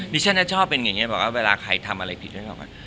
ดิฉันก็ชอบเป็นอย่างนี้บอกว่าเวลาใครทำอะไรผิดก็เลยกลับมา